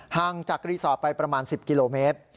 ห่างจากรีสอร์ทไปประมาณ๑๐กิโลเมตร